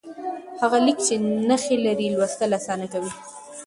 هغه لیک چې نښې لري، لوستل اسانه کوي.